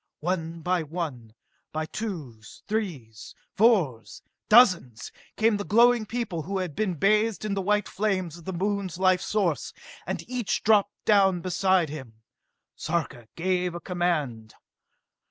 One by one, by twos, threes, fours, dozens, came the glowing people who had been bathed in the white flames of the Moon's life source, and as each dropped down beside him, Sarka gave a command.